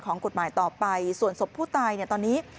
ของกฎหมายต่อไปส่วนศพผู้ตายเนี่ยตอนนี้